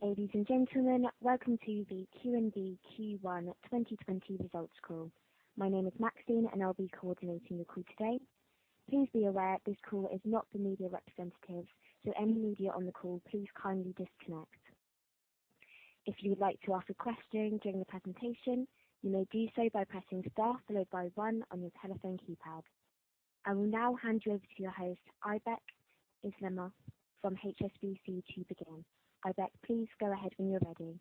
Ladies and gentlemen, welcome to the QNB Q1 2020 results call. My name is Maxine, and I'll be coordinating your call today. Please be aware this call is not for media representatives, so any media on the call, please kindly disconnect. If you would like to ask a question during the presentation, you may do so by pressing star followed by one on your telephone keypad. I will now hand you over to your host, Aybek Islamov, from HSBC to begin. Aybek, please go ahead when you're ready.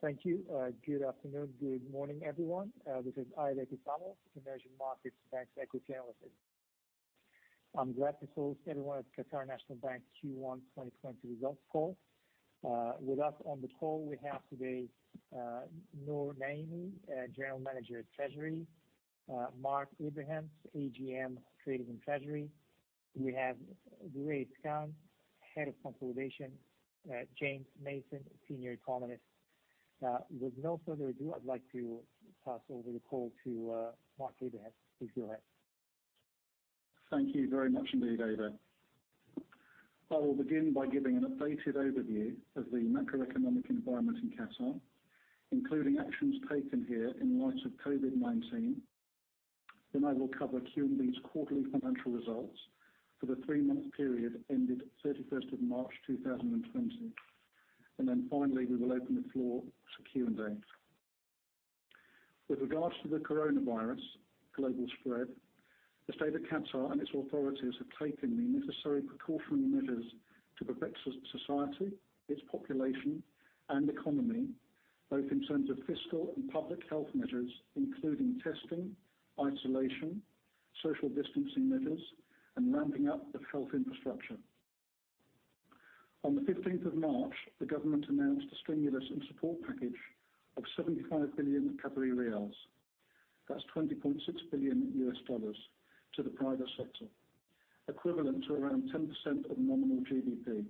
Thank you. Good afternoon. Good morning, everyone. This is Aybek Islamov, Emerging Markets Bank Equity Analyst. I'm glad to host everyone at Qatar National Bank Q1 2020 results call. With us on the call, we have today Noor Al-Naimi, General Manager of Treasury, Mark Abrahams, AGM, Trading and Treasury. We have Luigi Scan, Head of Consolidation, James Mason, Senior Economist. With no further ado, I'd like to pass over the call to Mark Abrahams. Please go ahead. Thank you very much indeed, Aybek. I will begin by giving an updated overview of the macroeconomic environment in Qatar, including actions taken here in light of COVID-19. I will cover QNB's quarterly financial results for the three-month period ended 31st of March 2020, and finally, we will open the floor for Q&A. With regards to the coronavirus global spread, the state of Qatar and its authorities have taken the necessary precautionary measures to protect society, its population, and economy, both in terms of fiscal and public health measures, including testing, isolation, social distancing measures, and ramping up of health infrastructure. On the 15th of March, the government announced a stimulus and support package of 75 billion Qatari riyals. That's $20.6 billion to the private sector, equivalent to around 10% of nominal GDP.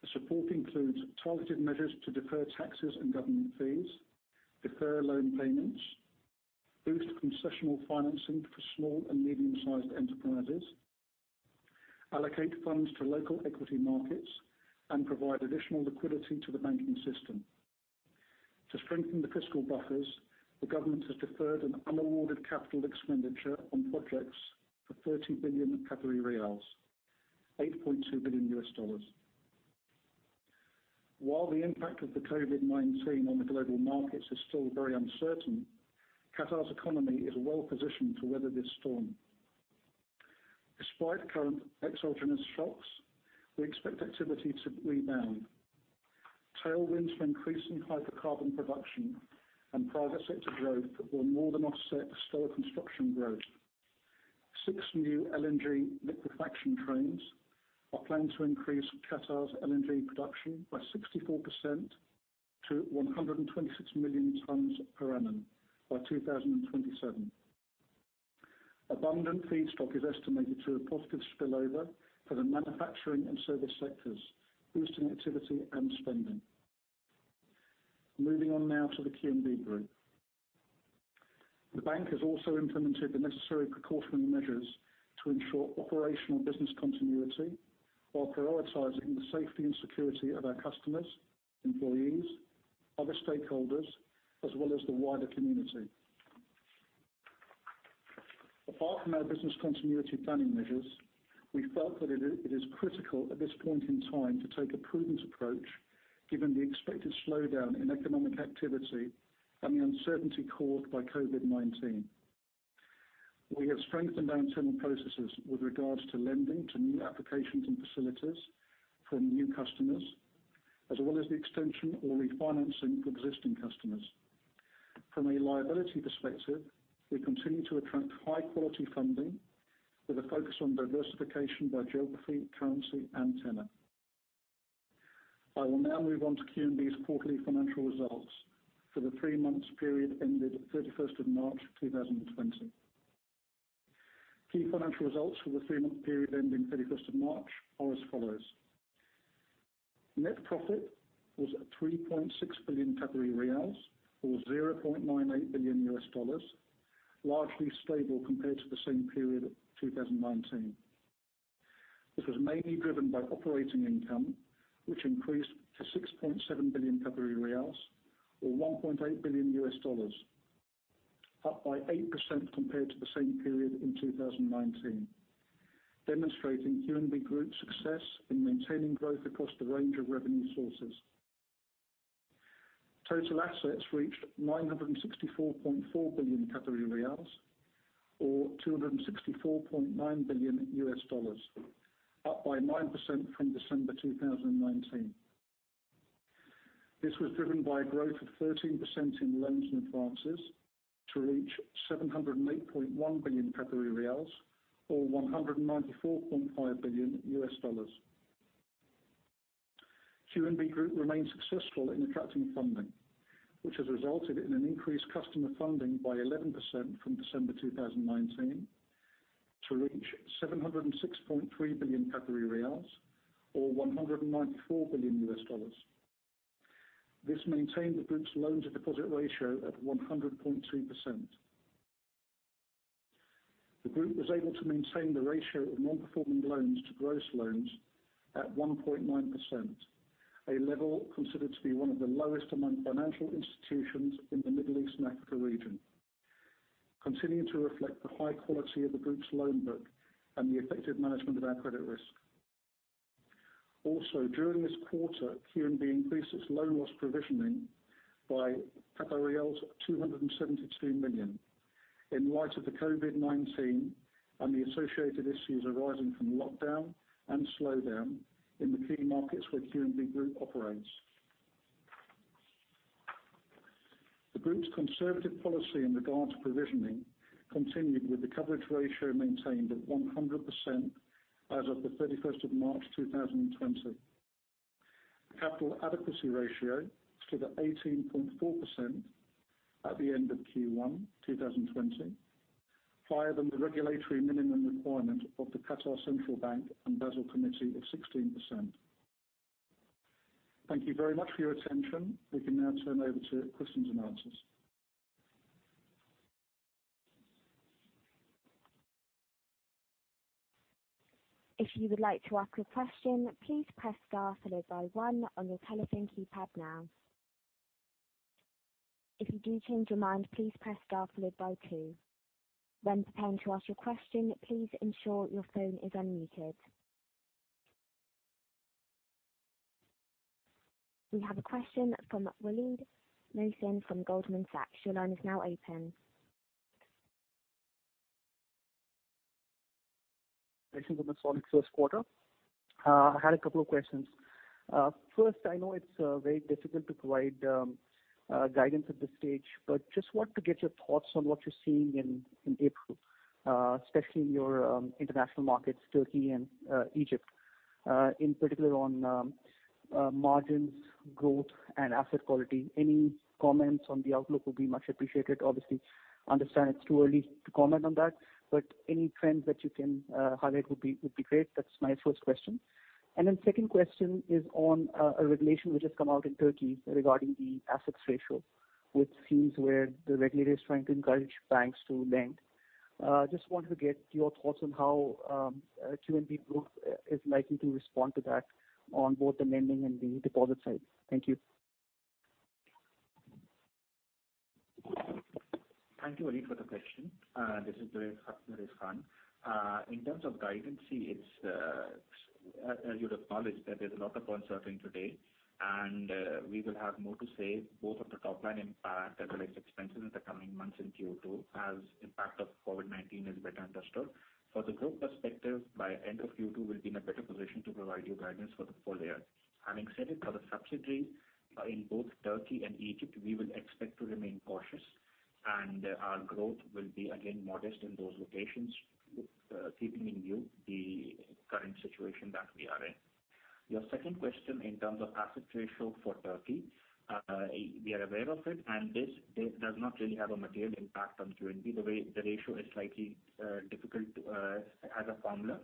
The support includes targeted measures to defer taxes and government fees, defer loan payments, boost concessional financing for small and medium-sized enterprises, allocate funds to local equity markets, and provide additional liquidity to the banking system. To strengthen the fiscal buffers, the government has deferred an unawarded capital expenditure on projects for 30 billion Qatari riyals, $8.2 billion. While the impact of the COVID-19 on the global markets is still very uncertain, Qatar's economy is well-positioned to weather this storm. Despite current exogenous shocks, we expect activity to rebound. Tailwinds from increasing hydrocarbon production and private sector growth will more than offset slower construction growth. Six new LNG liquefaction trains are planned to increase Qatar's LNG production by 64% to 126 million tons per annum by 2027. Abundant feedstock is estimated to a positive spillover for the manufacturing and service sectors, boosting activity and spending. Moving on now to the QNB Group. The bank has also implemented the necessary precautionary measures to ensure operational business continuity while prioritizing the safety and security of our customers, employees, other stakeholders, as well as the wider community. Apart from our business continuity planning measures, we felt that it is critical at this point in time to take a prudent approach, given the expected slowdown in economic activity and the uncertainty caused by COVID-19. We have strengthened our internal processes with regards to lending to new applications and facilities from new customers, as well as the extension or refinancing for existing customers. From a liability perspective, we continue to attract high-quality funding with a focus on diversification by geography, currency, and tenant. I will now move on to QNB's quarterly financial results for the three months period ended 31st of March 2020. Key financial results for the three-month period ending 31st of March are as follows. Net profit was at 3.6 billion riyals or $0.98 billion, largely stable compared to the same period of 2019. This was mainly driven by operating income, which increased to 6.7 billion riyals or $1.8 billion, up by 8% compared to the same period in 2019, demonstrating QNB Group's success in maintaining growth across the range of revenue sources. Total assets reached 964.4 billion Qatari riyals or $264.9 billion, up by 9% from December 2019. This was driven by a growth of 13% in loans and advances to reach 708.1 billion riyals or $194.5 billion. QNB Group remains successful in attracting funding, which has resulted in an increased customer funding by 11% from December 2019 to reach 706.3 billion Qatari riyals or $194 billion. This maintained the Group's loans-to-deposit ratio at 100.2%. The group was able to maintain the ratio of non-performing loans to gross loans at 1.9%, a level considered to be one of the lowest among financial institutions in the Middle East and Africa region, continuing to reflect the high quality of the group's loan book and the effective management of our credit risk. Also, during this quarter, QNB increased its loan loss provisioning by 272 million in light of the COVID-19 and the associated issues arising from lockdown and slowdown in the key markets where QNB Group operates. The group's conservative policy in regard to provisioning continued with the coverage ratio maintained at 100% as of the 31st of March 2020. Capital adequacy ratio stood at 18.4% at the end of Q1 2020, higher than the regulatory minimum requirement of the Qatar Central Bank and Basel Committee of 16%. Thank you very much for your attention. We can now turn over to questions and answers. If you would like to ask a question, please press star followed by one on your telephone keypad now. If you do change your mind, please press star followed by two. When preparing to ask your question, please ensure your phone is unmuted. We have a question from Waleed Mohsin from Goldman Sachs. Your line is now open. Thanks for the solid first quarter. I had a couple of questions. First, I know it's very difficult to provide guidance at this stage, but just want to get your thoughts on what you're seeing in April, especially in your international markets, Turkey and Egypt, in particular on margins, growth, and asset quality. Any comments on the outlook would be much appreciated. Obviously, understand it's too early to comment on that, but any trends that you can highlight would be great. That's my first question. Second question is on a regulation which has come out in Turkey regarding the assets ratio, which seems where the regulator is trying to encourage banks to lend. Just wanted to get your thoughts on how QNB Group is likely to respond to that on both the lending and the deposit side. Thank you. Thank you, Waleed, for the question. This is Hulusi. In terms of guidance, as you'd acknowledge, there's a lot of uncertainty today, and we will have more to say both on the top-line impact as well as expenses in the coming months in Q2 as impact of COVID-19 is better understood. For the group perspective, by end of Q2, we'll be in a better position to provide you guidance for the full year. Having said it, for the subsidiary in both Turkey and Egypt, we will expect to remain cautious and our growth will be again modest in those locations, keeping in view the current situation that we are in. Your second question in terms of asset ratio for Turkey, we are aware of it, and this does not really have a material impact on QNB. The ratio is slightly difficult as a formula,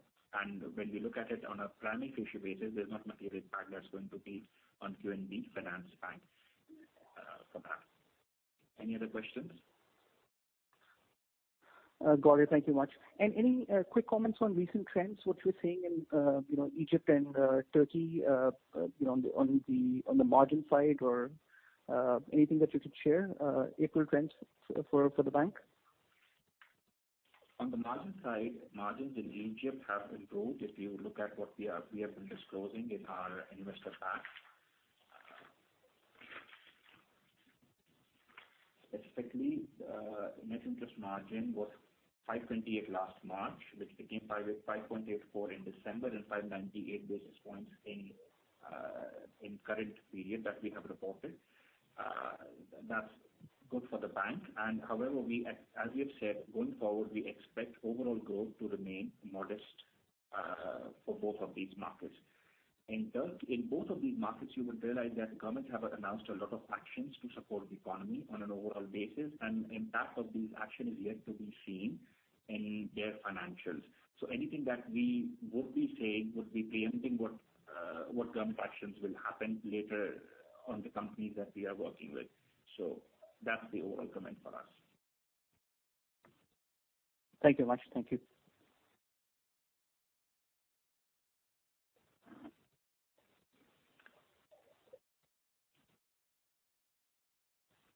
when we look at it on a planning ratio basis, there's no material impact that's going to be on QNB Finansbank from that. Any other questions? Got it. Thank you much. Any quick comments on recent trends, what you're seeing in Egypt and Turkey on the margin side or anything that you could share, April trends for the bank? On the margin side, margins in Egypt have improved. If you look at what we have been disclosing in our investor pack. Specifically, net interest margin was 5.8 last March, which became 5.84 in December and 598 basis points in current period that we have reported. That's good for the bank. However, as we have said, going forward, we expect overall growth to remain modest for both of these markets. In both of these markets, you would realize that governments have announced a lot of actions to support the economy on an overall basis, and impact of these action is yet to be seen in their financials. Anything that we would be saying would be preempting what government actions will happen later on the companies that we are working with. That's the overall comment for us. Thank you much. Thank you.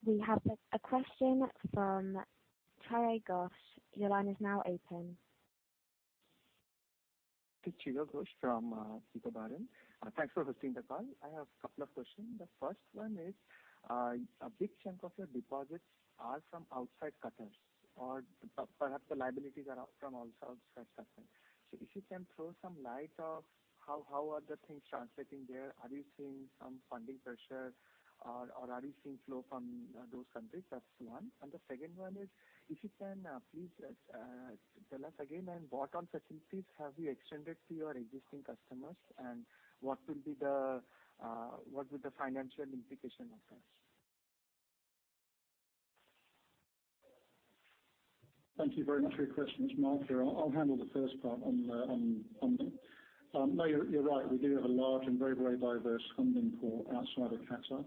We have a question from Chiradeep Ghosh. Your line is now open. This is Chirag Ghosh from SICO. Thanks for hosting the call. I have a couple of questions. The first one is, a big chunk of your deposits are from outside Qatar, or perhaps the liabilities are from outside Qatar. If you can throw some light of how are the things translating there, are you seeing some funding pressure or are you seeing flow from those countries? That's one. The second one is, if you can please tell us again what facilities have you extended to your existing customers and what will the financial implication of that be? Thank you very much for your questions. Mark here. I'll handle the first part on funding. No, you're right. We do have a large and very diverse funding pool outside of Qatar.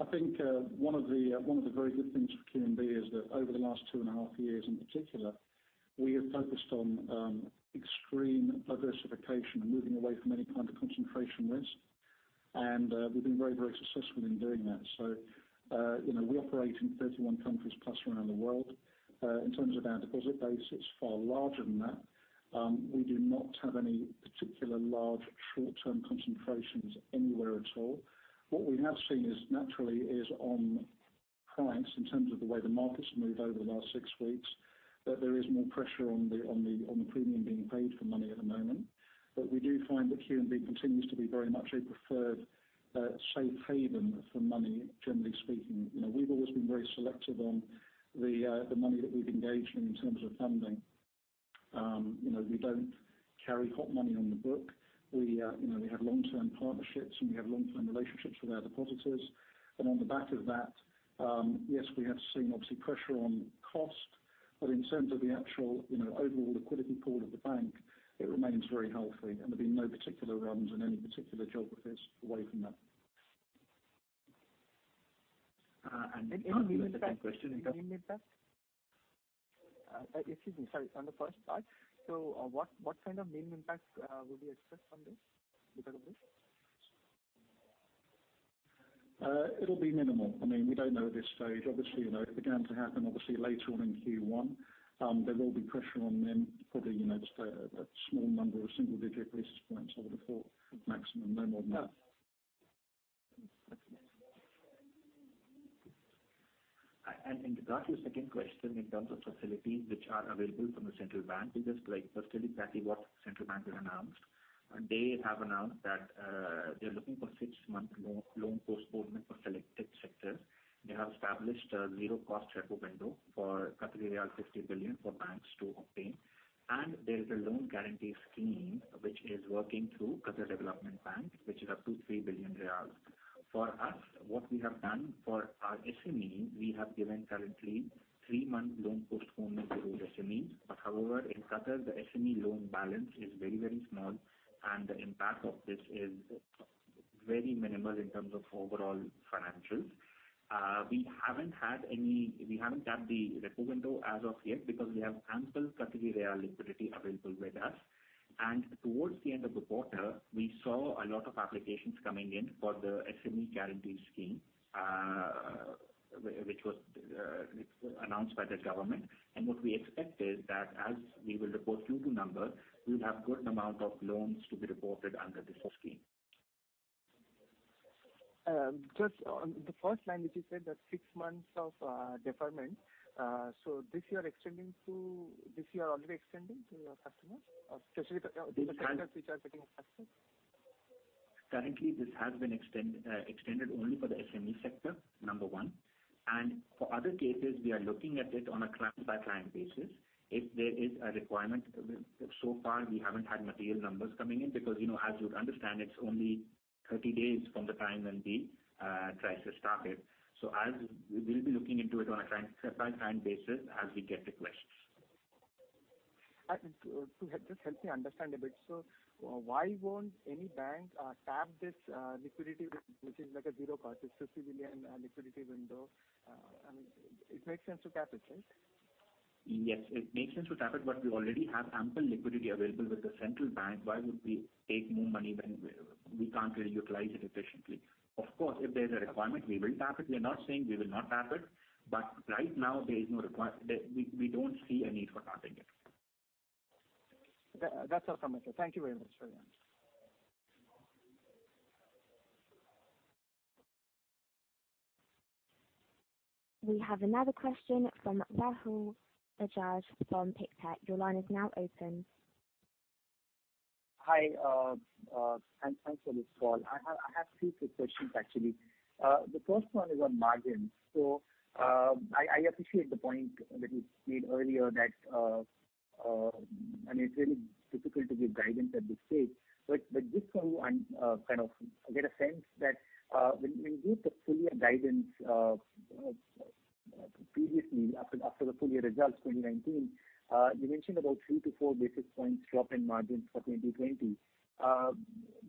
I think one of the very good things for QNB is that over the last two and a half years in particular, we have focused on extreme diversification and moving away from any kind of concentration risk. We've been very successful in doing that. We operate in 31 countries plus around the world. In terms of our deposit base, it's far larger than that. We do not have any particular large short-term concentrations anywhere at all. What we have seen is naturally is on price in terms of the way the market's moved over the last six weeks, that there is more pressure on the premium being paid for money at the moment. We do find that QNB continues to be very much a preferred safe haven for money, generally speaking. We've always been very selective on the money that we've engaged in in terms of funding. We don't carry hot money on the book. We have long-term partnerships, and we have long-term relationships with our depositors. On the back of that, yes, we have seen obviously pressure on cost. In terms of the actual overall liquidity pool of the bank, it remains very healthy, and there's been no particular runs in any particular geographies away from that. The second question in terms Any main impact? Excuse me, sorry, on the first part. What kind of main impact will we expect from this, because of this? It'll be minimal. We don't know at this stage. Obviously, it began to happen obviously later on in Q1. There will be pressure on them, probably just a small number of single-digit basis points over the four maximum, no more than that. To go to your second question in terms of facilities which are available from the Central Bank, just tell exactly what Central Bank has announced. They have announced that they're looking for six-month loan postponement for selected sectors. They have established a zero-cost repo window for 50 billion for banks to obtain. There is a loan guarantee scheme which is working through Qatar Development Bank, which is up to 3 billion riyals. For us, what we have done for our SME, we have given currently three-month loan postponement to those SMEs. However, in Qatar, the SME loan balance is very small, and the impact of this is very minimal in terms of overall financials. We haven't tapped the repo window as of yet because we have ample QAR liquidity available with us. Towards the end of the quarter, we saw a lot of applications coming in for the SME guarantee scheme, which was announced by the government. What we expect is that as we will report Q2 numbers, we'll have good amount of loans to be reported under this scheme. Just on the first line, which you said that six months of deferment. This you are already extending to your customers, or specifically the sectors which are getting affected? Currently, this has been extended only for the SME sector, number one. For other cases, we are looking at it on a client-by-client basis if there is a requirement. So far we haven't had material numbers coming in because as you'd understand, it's only 30 days from the time when the crisis started. We'll be looking into it on a client-by-client basis as we get the requests. To just help me understand a bit. Why won't any bank tap this liquidity window which is like a zero cost, it's 50 billion liquidity window. It makes sense to tap it, right? Yes, it makes sense to tap it, we already have ample liquidity available with the central bank. Why would we take more money when we can't really utilize it efficiently? Of course, if there's a requirement, we will tap it. We are not saying we will not tap it, right now we don't see a need for tapping it. That's all from my side. Thank you very much for the answer. We have another question from Rahul Bajaj from Pictet. Your line is now open. Hi. Thanks for this call. I have three quick questions, actually. The first one is on margins. I appreciate the point that you made earlier that it's really difficult to give guidance at this stage. Just so I get a sense that when you gave the full year guidance previously after the full year results 2019, you mentioned about three to four basis points drop in margins for 2020.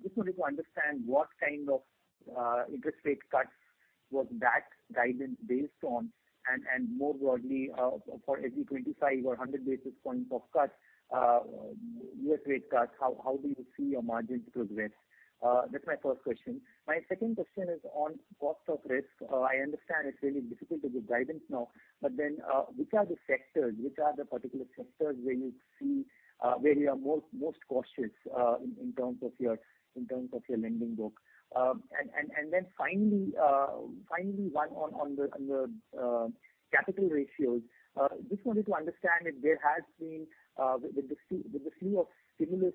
Just wanted to understand what kind of interest rate cuts was that guidance based on? More broadly, for every 25 or 100 basis points of cuts, U.S. rate cuts, how do you see your margins progress? That's my first question. My second question is on cost of risk. I understand it's really difficult to give guidance now, which are the sectors, which are the particular sectors where you are most cautious in terms of your lending book? Finally, one on the capital ratios. Just wanted to understand if there has been, with the slew of stimulus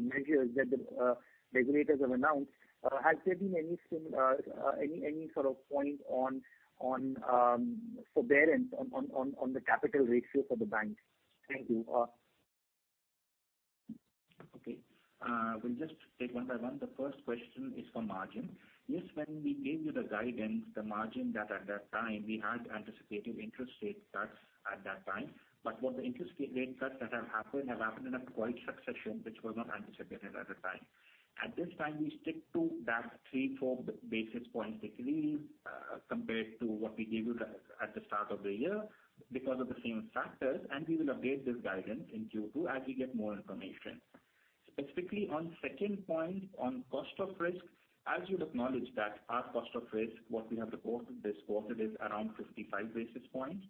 measures that the regulators have announced, has there been any sort of point on forbearance on the capital ratio for the bank? Thank you. We'll just take one by one. The first question is for margin. When we gave you the guidance, the margin that at that time we had anticipated interest rate cuts at that time. What the interest rate cuts that have happened, have happened in a quite succession, which was not anticipated at the time. At this time, we stick to that three, four basis points decline, compared to what we gave you at the start of the year because of the same factors. We will update this guidance in Q2 as we get more information. Specifically on second point, on cost of risk, as you'd acknowledge that our cost of risk, what we have reported this quarter, is around 55 basis points.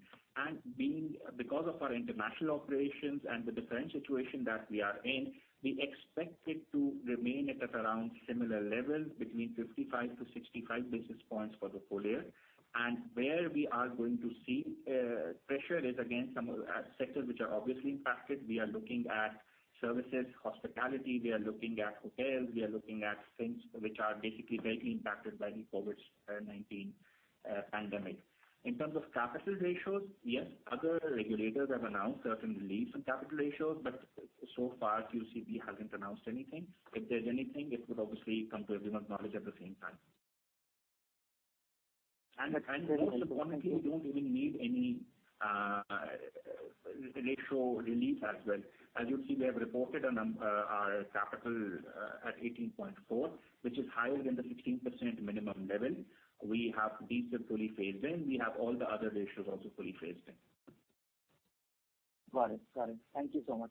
Because of our international operations and the different situation that we are in, we expect it to remain at around similar levels between 55-65 basis points for the full year. Where we are going to see pressure is again, some sectors which are obviously impacted. We are looking at services, hospitality, we are looking at hotels. We are looking at things which are basically greatly impacted by the COVID-19 pandemic. In terms of capital ratios, yes, other regulators have announced certain relief in capital ratios, but so far QCB hasn't announced anything. If there's anything, it would obviously come to everyone's knowledge at the same time. Most importantly, we don't even need any ratio relief as well. As you see, we have reported our capital at 18.4, which is higher than the 15% minimum level. We have CECL fully phased in. We have all the other ratios also fully phased in. Got it. Thank you so much.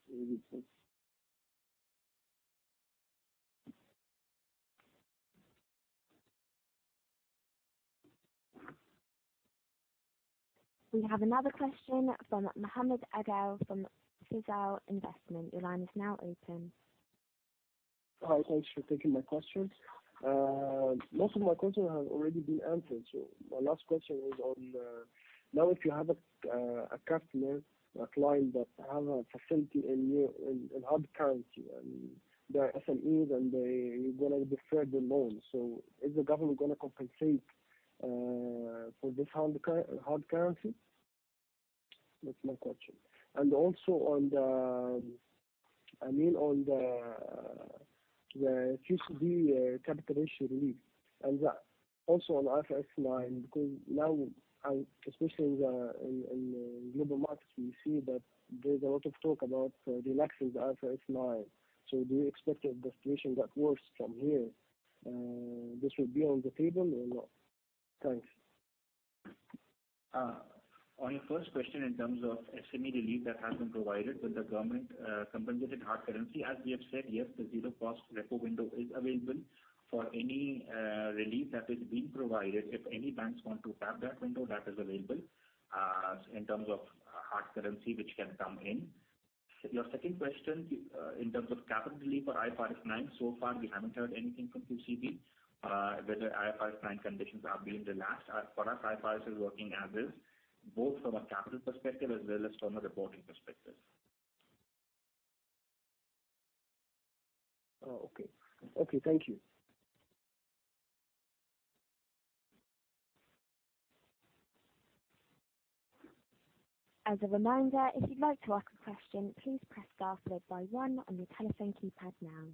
We have another question from Mohammed Adel from Thimar Investment. Your line is now open. Hi. Thanks for taking my questions. Most of my questions have already been answered. My last question is on, now if you have a customer, a client that have a facility in hard currency and they are SMEs and they want to defer the loan. Is the government going to compensate for this hard currency? That's my question. Also on the QCB capital ratio relief and also on IFRS 9, because now, especially in global markets, we see that there's a lot of talk about relaxing the IFRS 9. Do you expect if the situation got worse from here, this would be on the table or not? Thanks. On your first question in terms of SME relief that has been provided, will the government compensate in hard currency? As we have said, yes, the zero cost repo window is available for any relief that is being provided. If any banks want to tap that window, that is available, in terms of hard currency, which can come in. Your second question, in terms of capital relief for IFRS 9, so far, we haven't heard anything from QCB, whether IFRS 9 conditions are being relaxed. For us, IFRS is working as is, both from a capital perspective as well as from a reporting perspective. Okay. Thank you. As a reminder, if you'd like to ask a question, please press star followed by one on your telephone keypad now.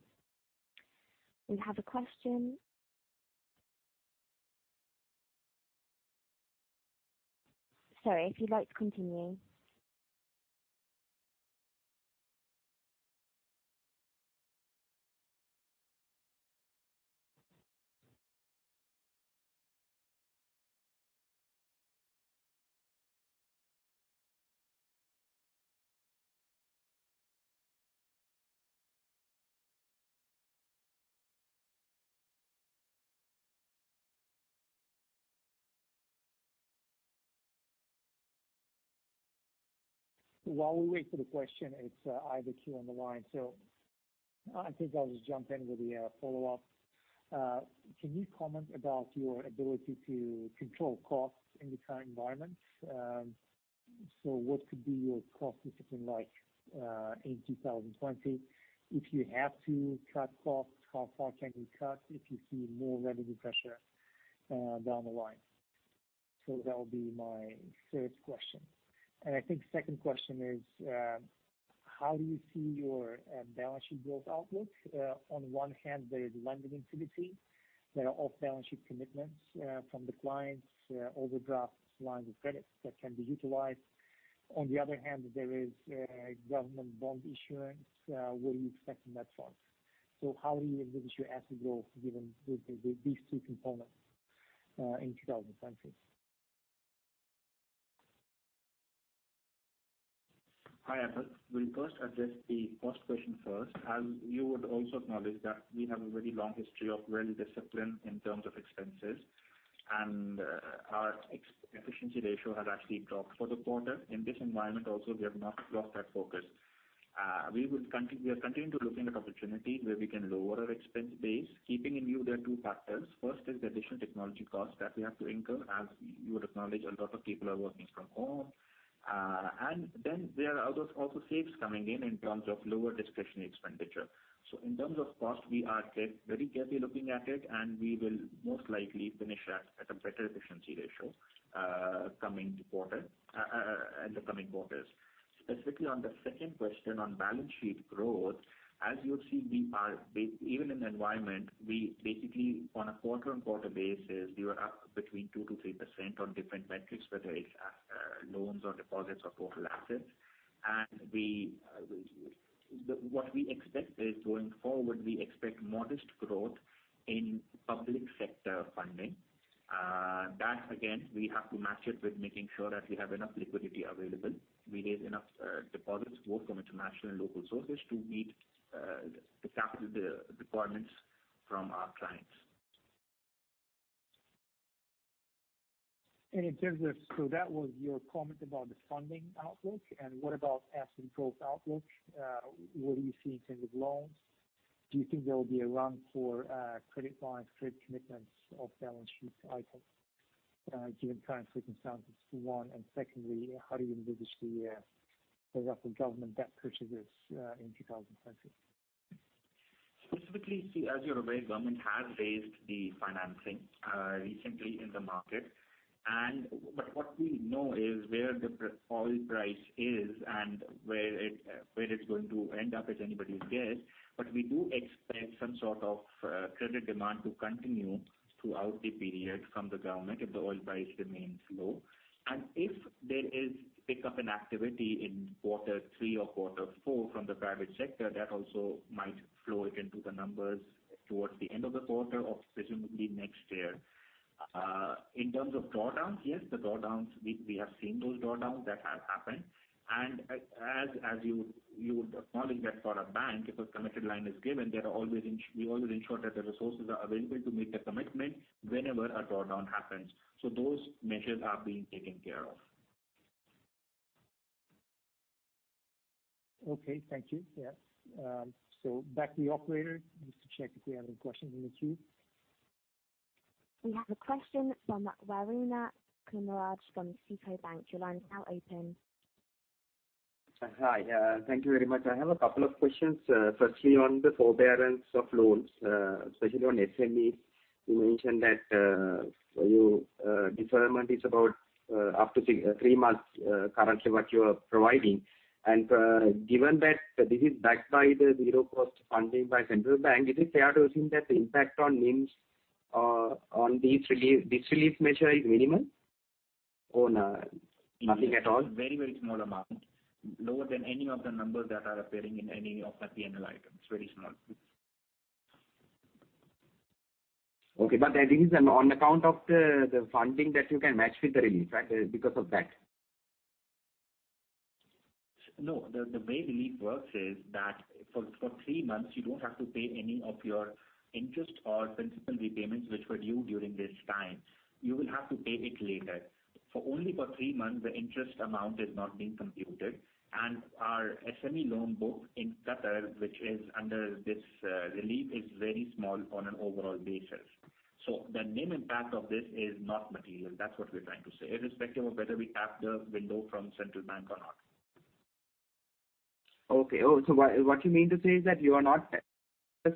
We have a question. Sorry, if you'd like to continue. While we wait for the question, it's either queue on the line. I think I'll just jump in with a follow-up. Can you comment about your ability to control costs in the current environment? What could be your cost discipline like in 2020? If you have to cut costs, how far can you cut if you see more revenue pressure down the line? That'll be my third question. I think second question is, how do you see your balance sheet growth outlook? On one hand, there is lending activity. There are off balance sheet commitments from the clients, overdrafts, lines of credit that can be utilized. On the other hand, there is government bond issuance. Where are you expecting that from? How do you envision your asset growth given these two components in 2020? Hi, Aybek. We'll first address the first question first. As you would also acknowledge that we have a very long history of really discipline in terms of expenses, and our efficiency ratio has actually dropped for the quarter. In this environment also, we have not lost that focus. We are continuing to looking at opportunities where we can lower our expense base, keeping in view there are two factors. First is the additional technology cost that we have to incur. As you would acknowledge, a lot of people are working from home. Then there are also saves coming in terms of lower discretionary expenditure. In terms of cost, we are very carefully looking at it, and we will most likely finish at a better efficiency ratio in the coming quarters. Specifically on the second question on balance sheet growth, as you'll see, even in environment, we basically on a quarter-on-quarter basis, we were up between 2%-3% on different metrics, whether it's loans or deposits or total assets. What we expect is going forward, we expect modest growth in public sector funding. That again, we have to match it with making sure that we have enough liquidity available. We raise enough deposits both from international and local sources to meet the capital requirements from our clients. In terms of, that was your comment about the funding outlook. What about asset growth outlook? Where do you see in terms of loans? Do you think there will be a run for credit lines, credit commitments of balance sheet items given current circumstances, for one? Secondly, how do you envisage the rough government debt purchases in 2020? Specifically, as you're aware, government has raised the financing recently in the market. What we know is where the oil price is and where it's going to end up is anybody's guess. We do expect some sort of credit demand to continue throughout the period from the government if the oil price remains low. If there is pickup in activity in quarter three or quarter four from the private sector, that also might flow into the numbers towards the end of the quarter or presumably next year. In terms of drawdowns, yes, we have seen those drawdowns that have happened, and as you would acknowledge that for a bank, if a committed line is given, we always ensure that the resources are available to meet the commitment whenever a drawdown happens. Those measures are being taken care of. Okay. Thank you. Back to the operator just to check if we have any questions in the queue. We have a question from Waruna Kumarage from Citigroup Bank. Your line is now open. Hi. Thank you very much. I have a couple of questions. Firstly, on the forbearance of loans, especially on SMEs, you mentioned that deferment is about up to three months currently what you are providing. Given that this is backed by the zero-cost funding by Qatar Central Bank, is it fair to assume that the impact on NIMs on this relief measure is minimal or nothing at all? Very small amount. Lower than any of the numbers that are appearing in any of the P&L items. Very small. Okay. That is on account of the funding that you can match with the relief because of that. No. The way relief works is that for three months, you don't have to pay any of your interest or principal repayments which were due during this time. You will have to pay it later. For only for three months, the interest amount is not being computed. Our SME loan book in Qatar, which is under this relief, is very small on an overall basis. The NIM impact of this is not material. That's what we're trying to say, irrespective of whether we have the window from central bank or not. Okay. What you mean to say is that you are not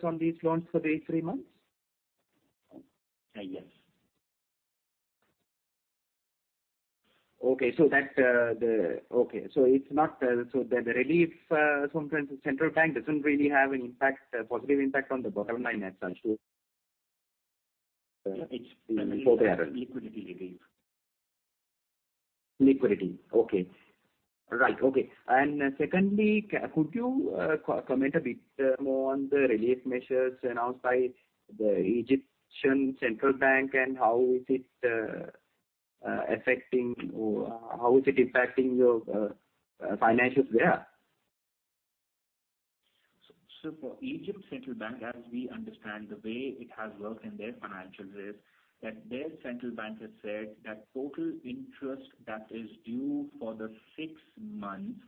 on these loans for these three months? Yes. Okay. The relief from central bank doesn't really have any positive impact on the bottom line as such for the forbearance? It's a liquidity relief. Liquidity. Okay. Right. Okay. Secondly, could you comment a bit more on the relief measures announced by the Egyptian central bank, and how is it impacting your financials there? For Egypt Central Bank, as we understand the way it has worked in their financial is that their central bank has said that total interest that is due for the six months,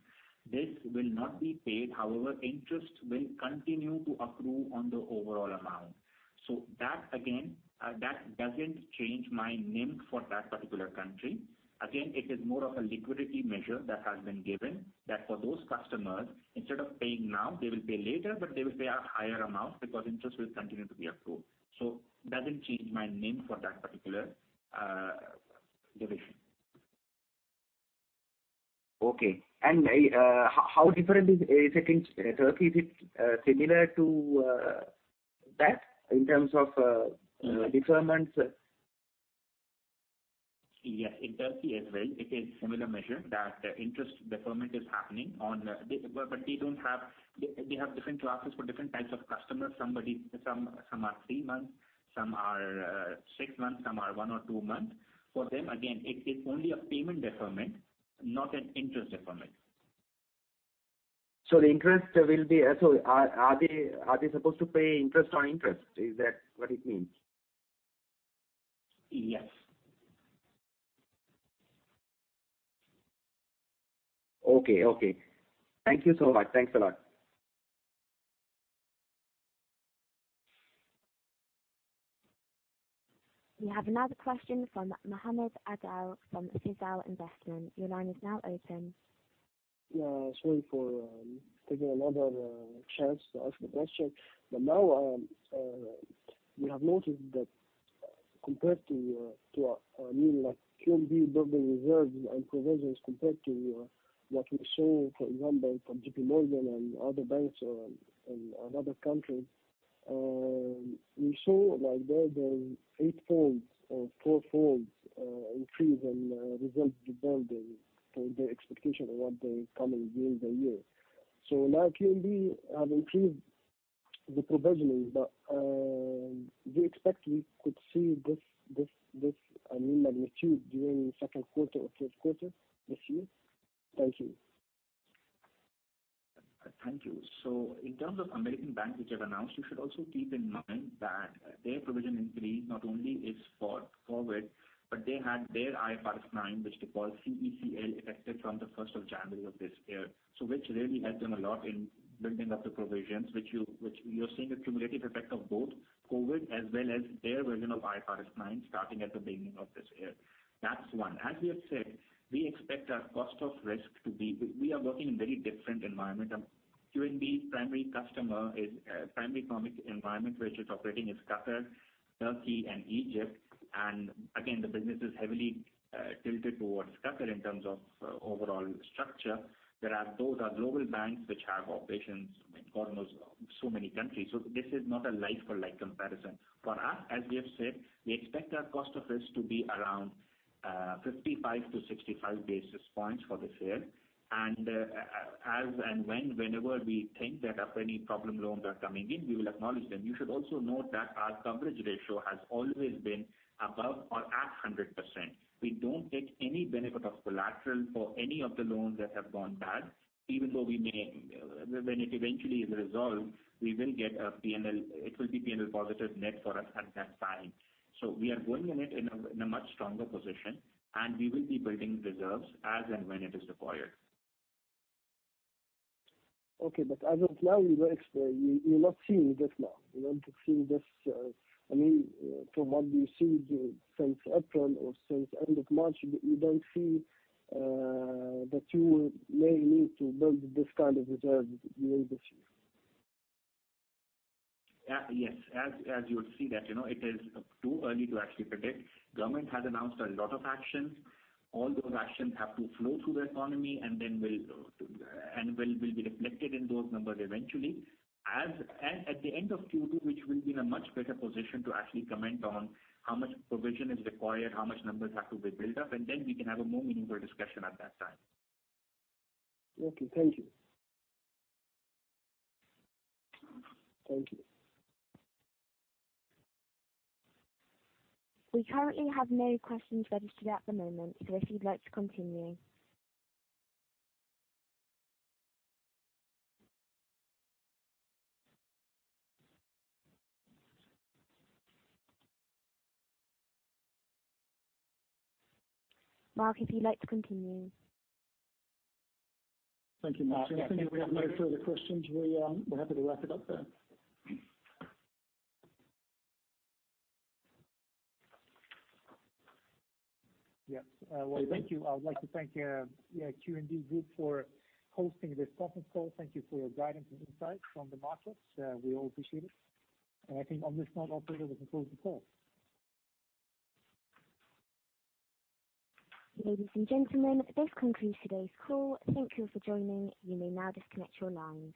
this will not be paid. However, interest will continue to accrue on the overall amount. That again, that doesn't change my NIM for that particular country. Again, it is more of a liquidity measure that has been given that for those customers, instead of paying now, they will pay later, but they will pay a higher amount because interest will continue to be accrued. Doesn't change my NIM for that particular division. Okay. How different is it in Turkey? Is it similar to that in terms of deferments? Yes, in Turkey as well, it is similar measure that interest deferment is happening. They have different classes for different types of customers. Some are three months, some are six months, some are one or two months. For them, again, it is only a payment deferment, not an interest deferment. Are they supposed to pay interest on interest? Is that what it means? Yes. Okay. Thank you so much. Thanks a lot. We have another question from Mohammed Adel from Thimar Investment. Your line is now open. Yeah, sorry for taking another chance to ask the question. now we have noticed that compared to QNB building reserves and provisions compared to what we saw, for example, from JPMorgan and other banks in other countries. We saw there the eightfold or fourfold increase in reserve building for the expectation of what is coming during the year. now QNB have increased the provisionings, but do you expect we could see this magnitude during second quarter or third quarter this year? Thank you. Thank you. in terms of American banks which have announced, you should also keep in mind that their provision increase not only is for COVID-19, but they had their IFRS 9, which requires CECL effective from the 1st of January of this year. which really helped them a lot in building up the provisions, which you're seeing a cumulative effect of both COVID-19 as well as their version of IFRS 9 starting at the beginning of this year. That's one. As we have said, we expect our cost of risk. We are working in very different environment. QNB's primary economic environment which it's operating is Qatar, Turkey, and Egypt. again, the business is heavily tilted towards Qatar in terms of overall structure. Whereas those are global banks which have operations in God knows so many countries. this is not a like-for-like comparison. For us, as we have said, we expect our cost of risk to be around 55-65 basis points for this year. as and when, whenever we think that any problem loans are coming in, we will acknowledge them. You should also note that our coverage ratio has always been above or at 100%. We don't take any benefit of collateral for any of the loans that have gone bad, even though when it eventually is resolved, it will be P&L positive net for us at that time. we are going in it in a much stronger position, and we will be building reserves as and when it is required. Okay. As of now, you're not seeing this now. You're not seeing this from what you've seen since April or since end of March, you don't see that you may need to build this kind of reserve during this year? Yes. As you would see that, it is too early to actually predict. Government has announced a lot of actions. All those actions have to flow through the economy, and will be reflected in those numbers eventually. At the end of Q2, which we'll be in a much better position to actually comment on how much provision is required, how much numbers have to be built up, and then we can have a more meaningful discussion at that time. Okay. Thank you. Thank you. We currently have no questions registered at the moment, so if you'd like to continue. Mark, if you'd like to continue. Thank you, Mark. I think if we have no further questions, we are happy to wrap it up there. Yes. Well, thank you. I would like to thank QNB Group for hosting this conference call. Thank you for your guidance and insights on the markets. We all appreciate it. I think on this note, operator, we can close the call. Ladies and gentlemen, this concludes today's call. Thank you for joining. You may now disconnect your lines.